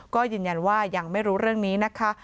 ก็ยืนยันว่ายังไม่รู้เรื่องนี้นะคะ